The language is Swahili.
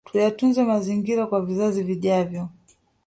Tuyatunze mazingira kwa vizazi vijavyo